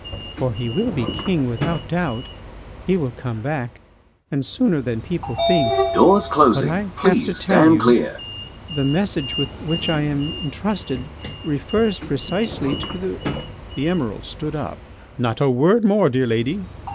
For he will be king without doubt. He will come back and sooner than people think. ... What I have to tell you, the message with which I am entrusted, refers precisely to. .." The Emiral stood up. "Not a word more, dear lady.